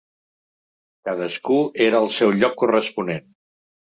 Cadascú era al seu lloc corresponent.